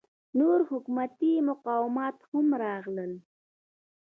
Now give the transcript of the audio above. نور حکومتي مقامات هم راغلل.